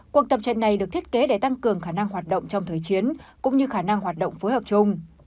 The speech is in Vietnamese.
cuộc tập trận này được thiết kế để tăng cường khả năng hoạt động trong thời chiến cũng như khả năng hoạt động phối hợp chung